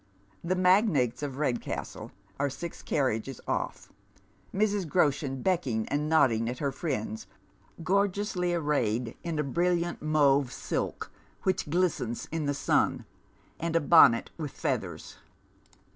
The magnates of Redcastle are six carriages oiz, Mrs. Groshen becking and nodding at her friends, gorgeously arrayed in a brilUant mauve silk, which glistens in the sun, and a bonnet with feathers.